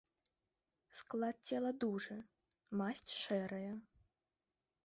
Склад цела дужы, масць шэрая.